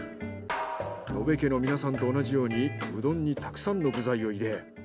野辺家の皆さんと同じようにうどんにたくさんの具材を入れ。